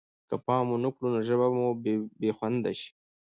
که پام ونه کړو نو ژبه به مو بې خونده شي.